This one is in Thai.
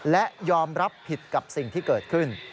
และยอมรับผิดกับสิ่งที่เกิดขึ้น